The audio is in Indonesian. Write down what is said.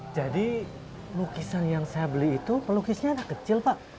jadi pelukisan yang saya beli itu pelukisnya anak kecil pak